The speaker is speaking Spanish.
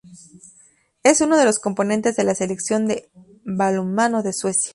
Es uno de los componentes de la Selección de balonmano de Suecia.